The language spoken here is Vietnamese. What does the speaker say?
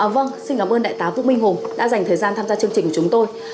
vâng xin cảm ơn đại tá vũ minh hùng đã dành thời gian tham gia chương trình của chúng tôi